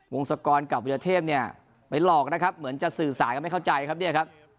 วงศักรณ์กับวุดธเทพเนี่ยไปลอกนะครับเหมือนจะสื่อสายกับไม่เข้าใจครับ